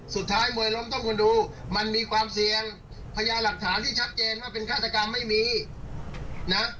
สุดท้ายมวยล้มต้องคุณดูมันมีความเสี่ยงพยาหลักฐานที่ชัดเจนว่าเป็นฆาตกรรมไม่มีนะ